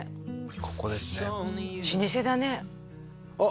ここですね老舗だねあっ